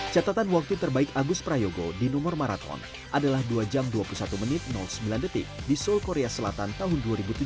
catatan waktu terbaik agus prayogo di nomor maraton adalah dua jam dua puluh satu menit sembilan detik di seoul korea selatan tahun dua ribu tujuh belas